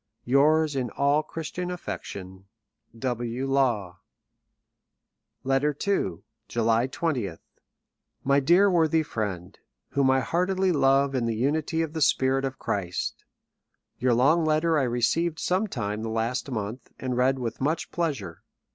Your's in all Christian affection, W. LAW. LETTER H. Ml/ dear worthy Friend, July 20. Whom I heartily love in the unity of the Spirit of Christ. Your long letter I received some time the last month, and read with much pleasure.